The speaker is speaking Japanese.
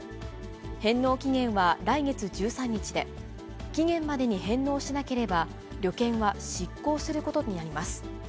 返納期限は来月１３日で、期限までに返納しなければ、旅券は失効することになります。